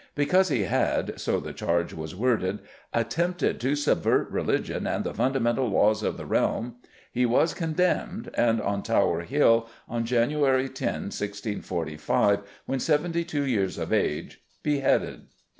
Because he had so the charge was worded "attempted to subvert religion and the fundamental laws of the realm," he was condemned, and on Tower Hill, on January 10, 1645, when seventy two years of age, beheaded.